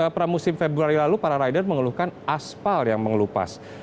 pramusim februari lalu para rider mengeluhkan aspal yang mengelupas